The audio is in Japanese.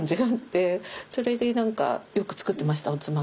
それで何かよく作ってましたおつまみを。